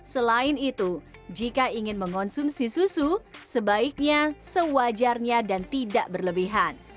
selain itu jika ingin mengonsumsi susu sebaiknya sewajarnya dan tidak berlebihan